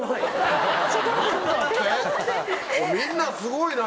みんなすごいな！